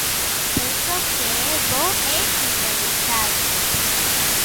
Penso que é bo e interesante.